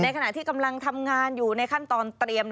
ขณะที่กำลังทำงานอยู่ในขั้นตอนเตรียม